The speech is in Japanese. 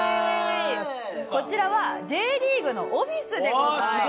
こちらはＪリーグのオフィスでございます。